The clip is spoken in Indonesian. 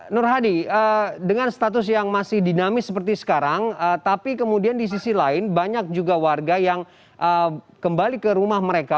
nur hadi dengan status yang masih dinamis seperti sekarang tapi kemudian di sisi lain banyak juga warga yang kembali ke rumah mereka